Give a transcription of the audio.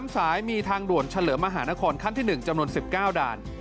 ๓สายมีทางด่วนเฉลิมมหานครขั้นที่๑จำนวน๑๙ด่าน